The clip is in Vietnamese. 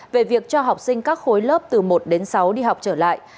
về việc cho học sinh các khối lớp từ một đến sáu đi học trở lại